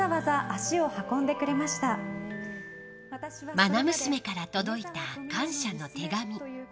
愛娘から届いた、感謝の手紙。